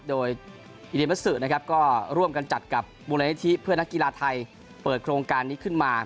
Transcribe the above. โดยนะครับก็ร่วมกันจัดกับมูลนี้ที่เพื่อนนักกีฬาไทยเปิดโครงการนี้ขึ้นมา